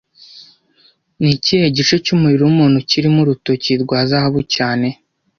Ni ikihe gice cyumubiri wumuntu kirimo Urutoki rwa zahabu cyane